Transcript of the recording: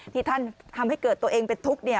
ที่ท่านทำให้เกิดตัวเองเป็นทุกข์